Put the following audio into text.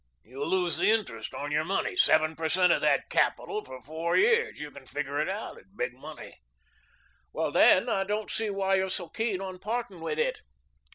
You lose the interest on your money. Seven per cent. of that capital for four years you can figure it out. It's big money." "Well, then, I don't see why you're so keen on parting with it.